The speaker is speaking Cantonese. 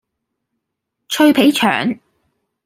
脆皮腸